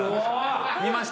診ました。